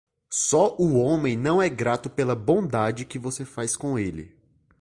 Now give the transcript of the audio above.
Só o homem não é grato pela bondade que você faz com ele.